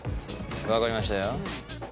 分かりましたよ。